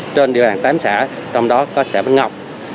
trên địa bàn tám xã trong đó có xã vĩnh ngọc